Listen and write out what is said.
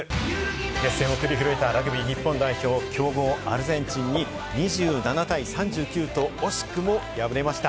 熱戦を繰り広げたラグビー日本代表、強豪・アルゼンチンに２７対３９と惜しくも敗れました。